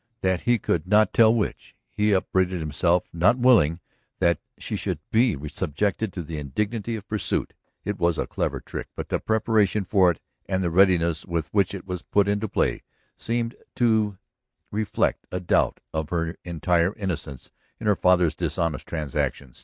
That he could not tell which, he upbraided himself, not willing that she should be subjected to the indignity of pursuit. It was a clever trick, but the preparation for it and the readiness with which it was put into play seemed to reflect a doubt of her entire innocence in her father's dishonest transactions.